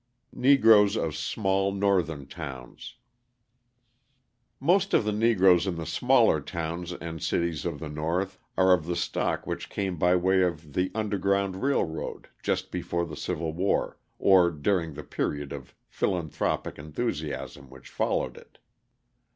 Negroes of Small Northern Towns Most of the Negroes in the smaller towns and cities of the North are of the stock which came by way of the underground railroad just before the Civil War or during the period of philanthropic enthusiasm which followed it.